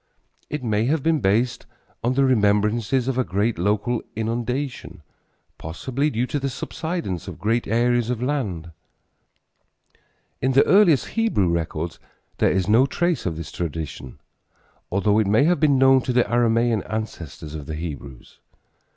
It may have been based on the remembrances of a great local inundation, possibly due to the subsidence of great areas of land. In the earliest Hebrew records there is no trace of this tradition, although it may have been known to the Aramean ancestors of the Hebrews.